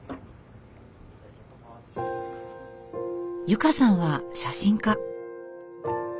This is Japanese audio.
由佳さんは写真家。